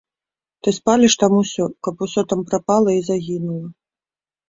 Ты спаліш там усё, каб усё там прапала і загінула.